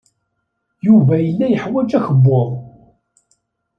Yuba yella yeḥwaj akebbuḍ.